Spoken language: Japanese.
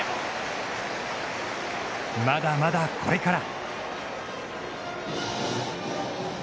まだまだ、これから。